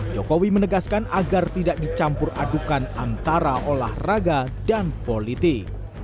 jokowi menegaskan agar tidak dicampur adukan antara olahraga dan politik